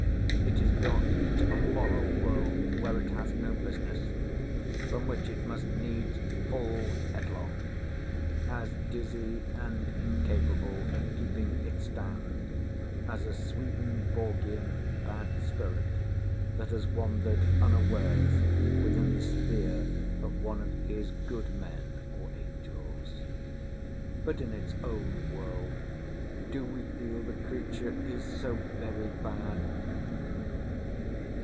It has got into a moral world, where it has no business, from which it must needs fall headlong; as dizzy, and incapable of making a stand, as a Swedenborgian bad spirit that has wandered unawares into the sphere of one of his Good Men, or Angels. But in its own world do we feel the creature is so very bad?